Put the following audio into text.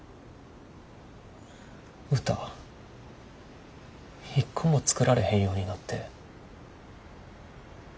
歌一個も作られへんようになって。